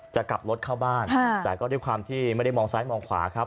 จะกลับรถเข้าบ้านแต่ก็ด้วยความที่ไม่ได้มองซ้ายมองขวาครับ